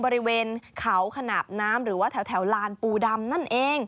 บริเวณเขาขนาดน้ำหรือว่าแถวลานปูดำนั่นเอง